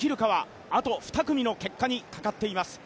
あと２組の結果にかかっています。